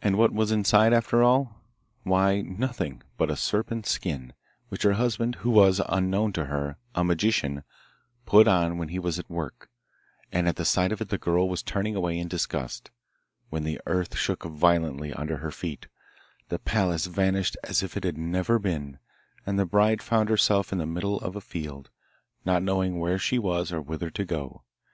And what was inside after all? Why, nothing but a serpent's skin, which her husband, who was, unknown to her, a magician, put on when he was at work; and at the sight of it the girl was turning away in disgust, when the earth shook violently under her feet, the palace vanished as if it had never been, and the bride found herself in the middle of a field, not knowing where she was or whither to go.